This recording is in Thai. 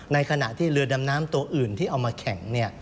ในขณะที่เรือดำน้ำตัวอื่นที่เอามาแข็ง